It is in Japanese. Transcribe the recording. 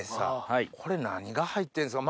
これ何が入ってんですか？